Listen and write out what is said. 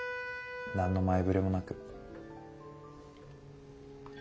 何の前触れもなく。